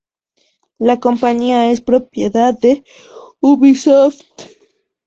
La compañía es propiedad de Ubisoft.